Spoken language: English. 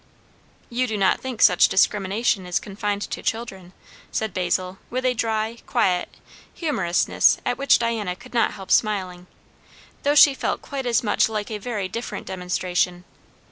"You do not think such discrimination is confined to children?" said Basil, with a dry, quiet humourousness at which Diana could not help smiling, though she felt quite as much like a very different demonstration.